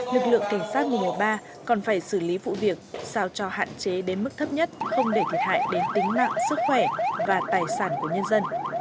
lực lượng cảnh sát mùa mùa ba còn phải xử lý vụ việc sao cho hạn chế đến mức thấp nhất không để thiệt hại đến tính mạng sức khỏe và tài sản của nhân dân